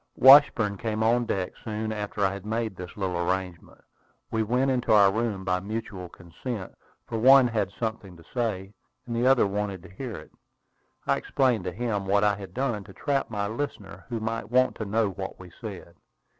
Washburn came on deck soon after I had made this little arrangement. We went into our room by mutual consent, for one had something to say, and the other wanted to hear it. I explained to him what I had done to trap any listener who might want to know what we said.